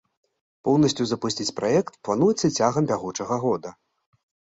Поўнасцю запусціць праект плануецца цягам бягучага года.